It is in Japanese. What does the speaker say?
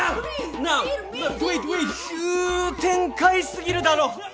急展開すぎるだろ！